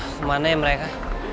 kemana ya mereka